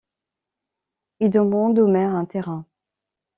Il demande au maire un terrain.